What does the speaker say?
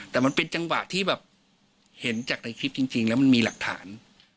แต่มันเป็นจังหวะที่แบบเห็นจากในคลิปจริงแล้วมันมีหลักฐาน